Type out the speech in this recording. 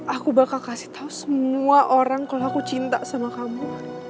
aku bakal kasih tahu semua orang kalau aku cinta sama kamu